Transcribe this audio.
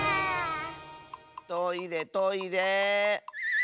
トイレトイレ。